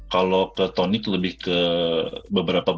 kalau ke tonic lebih ke beberapa hal